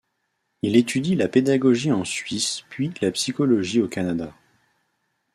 Il étudie la pédagogie en Suisse puis la psychologie au Canada.